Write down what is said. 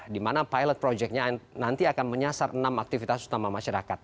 di mana pilot projectnya nanti akan menyasar enam aktivitas utama masyarakat